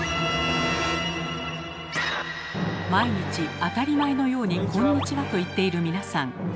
毎日当たり前のように「こんにちは」と言っている皆さん。